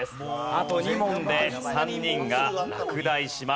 あと２問で３人が落第します。